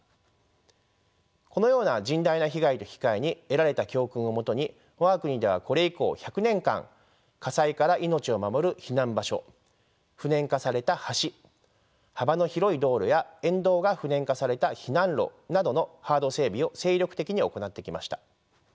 このような甚大な被害と引き換えに得られた教訓を基に我が国ではこれ以降１００年間火災から命を守る避難場所不燃化された橋幅の広い道路や沿道が不燃化された避難路などのハード整備を精力的に行ってきました。